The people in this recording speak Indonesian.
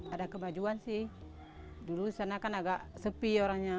ada kemajuan sih dulu sana kan agak sepi orangnya